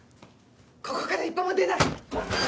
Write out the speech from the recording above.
ここから一歩も出ない！